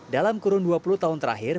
dalam kurun dua puluh tahun terakhir